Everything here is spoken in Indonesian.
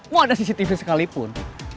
mau ada cctv sekalipun